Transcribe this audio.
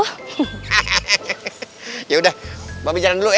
hehehe yaudah mbak b jalan dulu ya